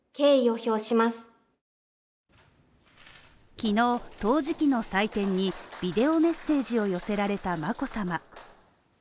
昨日、陶磁器の祭典にビデオメッセージを寄せられた眞子さま。